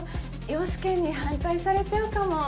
陽佑に反対されちゃうかも。